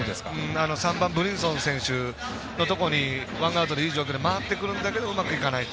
３番、ブリンソン選手のところでワンアウトでいい状態で回ってくるんですがうまくいかないと。